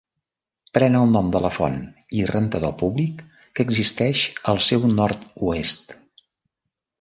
Pren el nom de la font i rentador públic que existeix al seu nord-oest.